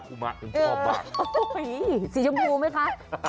คุณจะ